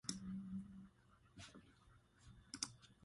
The incident inspired the novel "The Caine Mutiny".